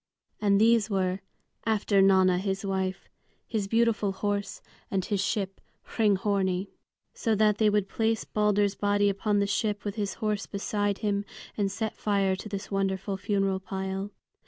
And these were, after Nanna his wife, his beautiful horse, and his ship Hringhorni. So that they would place Balder's body upon the ship with his horse beside him, and set fire to this wonderful funeral pile.